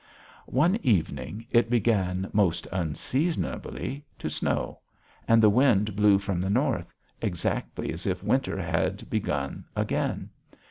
One evening it began, most unseasonably, to snow, and the wind blew from the north, exactly as if winter had begun again.